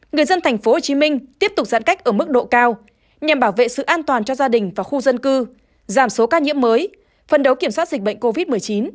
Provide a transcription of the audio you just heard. người dân thành phố hồ chí minh tiếp tục giãn cách ở mức độ cao nhằm bảo vệ sự an toàn cho gia đình và khu dân cư giảm số ca nhiễm mới phần đấu kiểm soát dịch bệnh covid một mươi chín